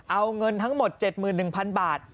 เอาเงินทั้งหมด๗๑๐๐๐บาท